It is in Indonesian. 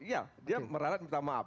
ya dia meralat dan minta maaf